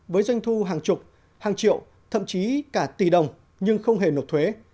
với doanh thu hàng chục hàng triệu thậm chí cả tỷ đồng nhưng không hề nộp thuế